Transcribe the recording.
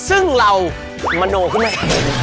ซึ่งเรามโนขึ้นมา